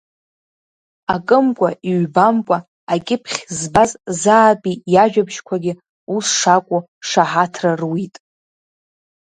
Акымкәа-иҩбамкәа акьыԥхь збаз заатәи иажәабжьқәагьы ус шакәу шаҳаҭра руит.